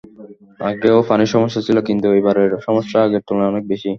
আগেও পানির সমস্যা ছিল, কিন্তু এবারের সমস্যা আগের তুলনায় অনেক বেশি।